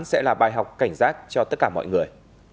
sẽ là bài học cảnh giác cho tất cả mọi người